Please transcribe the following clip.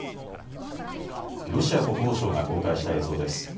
ロシア国防省が公開した映像です。